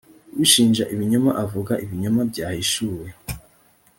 ushinja ibinyoma avuga ibinyoma byahishuwe.